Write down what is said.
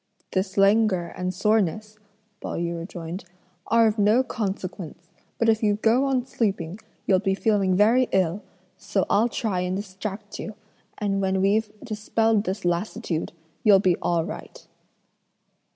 "This languor and soreness," Pao yü rejoined, "are of no consequence; but if you go on sleeping you'll be feeling very ill; so I'll try and distract you, and when we've dispelled this lassitude, you'll be all right."